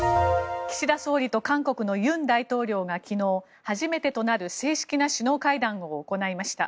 岸田総理と韓国の尹大統領が昨日、初めてとなる正式な首脳会談を行いました。